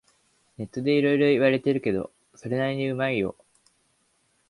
ネットでいろいろ言われてるけど、それなりにうまいよ